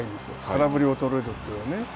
空振りを取れるというね。